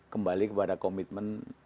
kembali kepada komitmen